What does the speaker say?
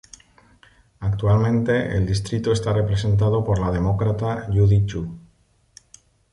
Actualmente el distrito está representado por la Demócrata Judy Chu.